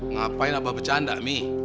ngapain apa bercanda mi